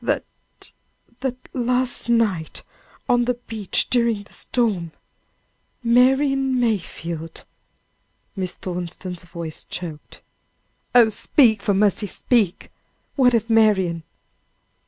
"That, that last evening on the beach during the storm, Marian Mayfield " Miss Thornton's voice choked. "Oh, speak; for mercy speak! What of Marian?"